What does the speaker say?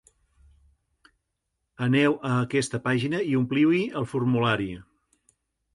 Aneu a aquesta pàgina i ompliu-hi el formulari.